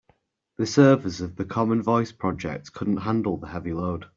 The servers of the common voice project couldn't handle the heavy load.